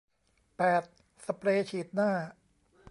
แปด สเปรย์ฉีดหน้า